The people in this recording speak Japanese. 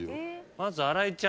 まず新井ちゃん。